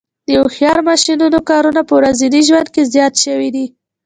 د هوښیار ماشینونو کارونه په ورځني ژوند کې زیات شوي دي.